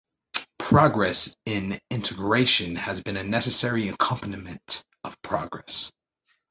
Progress in integration has been a necessary accompaniment of progress.